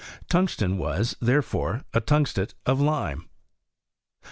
Tungsten was, therefore, a tungstate of lime.